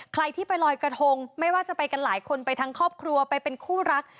ใครที่ไปลอยกระทงไม่ว่าจะไปกันหลายคนไปทั้งครอบครัวไปเป็นคู่รัก